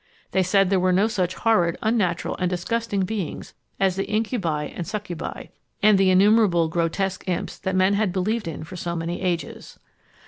They said there were no such horrid, unnatural, and disgusting beings as the incubi and succubi, and the innumerable grotesque imps that men had believed in for so many ages.